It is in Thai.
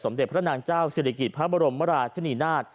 เด็จพระนางเจ้าศิริกิจพระบรมราชนีนาฏ